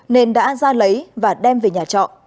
nên đã ra lấy và đem về nhà trọ